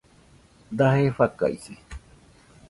Daje fakaise